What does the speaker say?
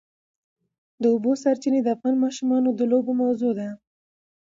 د اوبو سرچینې د افغان ماشومانو د لوبو موضوع ده.